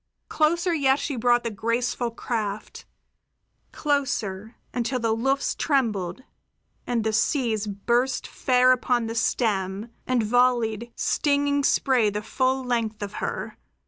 Closer yet she brought the graceful craft; closer, until the luffs trembled and the seas burst fair upon the stem and volleyed stinging spray the full length of her.